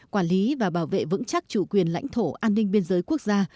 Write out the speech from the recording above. quản lý và bảo vệ vững chắc chủ quyền lãnh thổ an ninh biên giới quốc gia